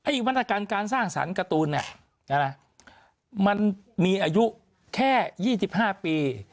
อีกบรรดาการการสร้างสารการ์ตูนเนี่ยมันมีอายุแค่๒๕ปี